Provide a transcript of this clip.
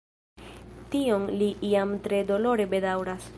Tion li jam tre dolore bedaŭras.